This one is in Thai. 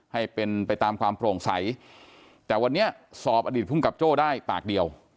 ให้เป็นไปตามความโปร่งใสแต่วันนี้สอบอดีตภูมิกับโจ้ได้ปากเดียว